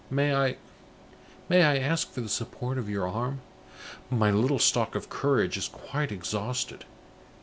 May I may I ask for the support of your arm? My little stock of courage is quite exhausted."